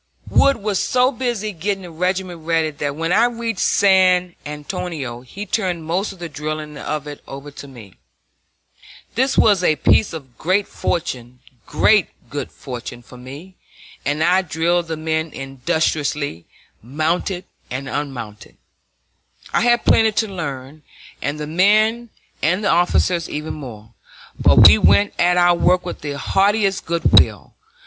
Wood was so busy getting the regiment ready that when I reached San Antonio he turned most of the drilling of it over to me. This was a piece of great good fortune for me, and I drilled the men industriously, mounted and unmounted. I had plenty to learn, and the men and the officers even more; but we went at our work with the heartiest good will.